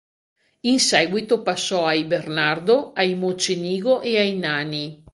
In seguito passò ai Bernardo, ai Mocenigo e ai Nani.